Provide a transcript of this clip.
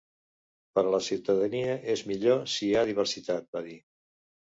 Per a la ciutadania és millor si hi ha diversitat, va dir.